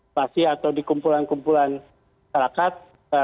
spasi atau di kumpulan kumpulan serakat